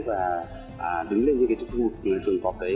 và đứng lên như cái trùng cọp đấy